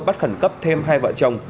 bắt khẩn cấp thêm hai vợ chồng